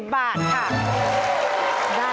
๕๔๐บาทค่ะ